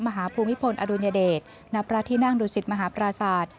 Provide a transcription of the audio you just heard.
มหาภูมิพลอดุญเดชณปราธินังดุสิตมหาปราศาสตร์